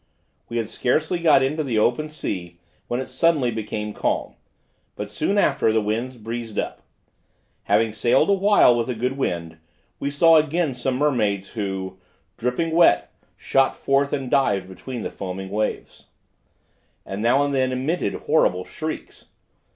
We had scarcely got into the open sea when it suddenly became calm, but soon after the wind breezed up. Having sailed awhile with a good wind, we saw again some mermaids, who dripping wet Shot forth, and dived between the foaming waves, and now and then emitted horrible shrieks.